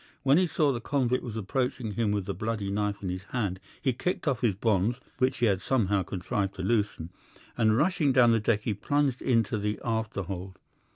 When he saw the convict approaching him with the bloody knife in his hand he kicked off his bonds, which he had somehow contrived to loosen, and rushing down the deck he plunged into the after hold.